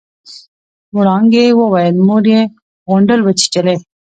وړانګې وويل مور يې غونډل وچېچلې.